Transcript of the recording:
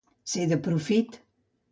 Ser de profit.